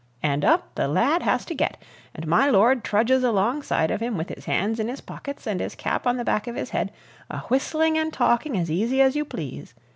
And up the lad has to get, and my lord trudges alongside of him with his hands in his pockets, and his cap on the back of his head, a whistling and talking as easy as you please!